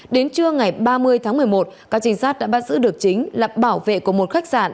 đến trưa ngày ba mươi tháng một mươi một các trinh sát đã bắt giữ được chính là bảo vệ của một khách sạn